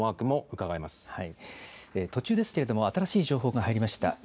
もうか途中ですけれども、新しい情報が入りました。